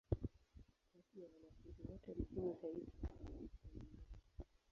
Kati ya wanafunzi wake muhimu zaidi, yupo Mt.